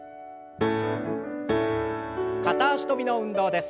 片脚跳びの運動です。